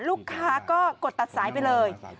ลูกค้าก็กดตัดสายไปเลย